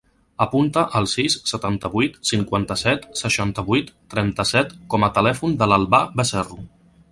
Apunta el sis, setanta-vuit, cinquanta-set, seixanta-vuit, trenta-set com a telèfon de l'Albà Becerro.